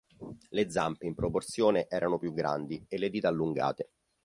Le zampe, in proporzione erano più grandi e le dita allungate.